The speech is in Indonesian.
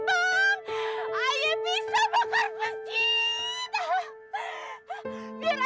biar ayahnya ayah yang bakar masjid sendiri